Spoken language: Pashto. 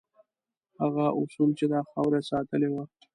هغه اصول چې دا خاوره یې ساتلې وه.